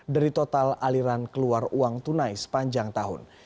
dari total aliran keluar uang tunai sepanjang tahun